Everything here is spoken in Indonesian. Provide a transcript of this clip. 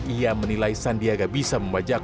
ia menilai sandiaga bisa membajak